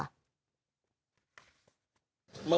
เมื่อเมียสินะ